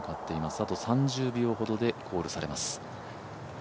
あと３０秒ほどでコールされます。